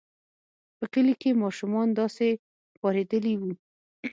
په کلي کې ماشومان داسې پارېدلي وو.